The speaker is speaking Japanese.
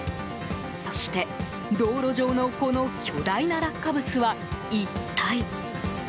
そして、道路上のこの巨大な落下物は一体？